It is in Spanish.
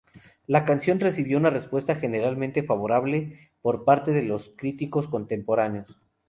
La canción recibió una respuesta generalmente favorable por parte de los críticos contemporáneos.